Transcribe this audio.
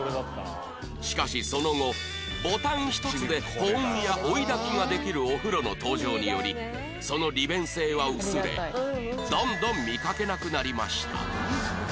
しかしその後ボタン一つで保温や追い炊きができるお風呂の登場によりその利便性は薄れどんどん見かけなくなりました